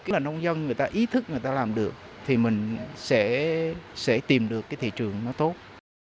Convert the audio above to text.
tức là nông dân người ta ý thức người ta làm được thì mình sẽ tìm được cái thị trường nó tốt